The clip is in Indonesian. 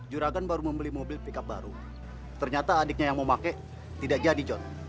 juragan baru membeli mobil pickup baru ternyata adiknya yang mau pakai tidak jadi john